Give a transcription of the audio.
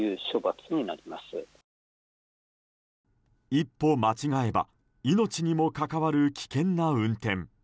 一歩間違えば命にも関わる危険な運転。